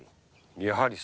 やはり。